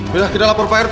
baiklah kita lapor pak rt